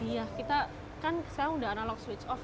ya kita kan sekarang sudah analog switch off ya